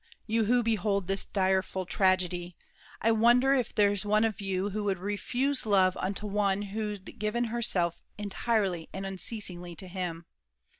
You who behold this direful tragedy, I wonder if there's one of you who would Refuse love unto one who'd given herself Entirely and unceasingly to him?